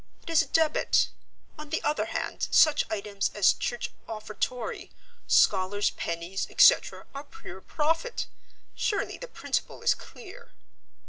It is a debit. On the other hand, such items as Church Offertory, Scholars' Pennies, etc., are pure profit. Surely the principle is clear."